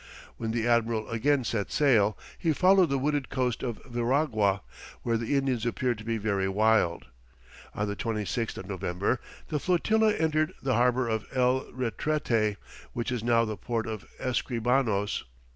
When the admiral again set sail, he followed the wooded coast of Veragua, where the Indians appeared to be very wild. On the 26th of November, the flotilla entered the harbour of El Retrete, which is now the port of Escribanos.